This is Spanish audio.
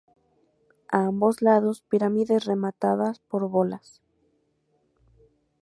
A ambos lados pirámides rematadas por bolas.